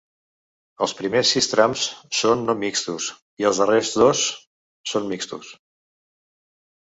Els primers sis trams són no mixtos i els darrers dos són mixtos.